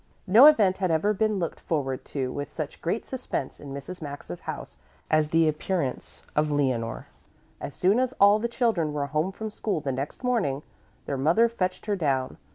No event had ever been looked forward to with such great suspense in Mrs. Maxa's house as the appearance of Leonore. As soon as all the children were home from school the next morning, their mother fetched her down.